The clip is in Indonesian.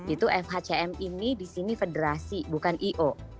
itu fhcm ini disini federasi bukan i o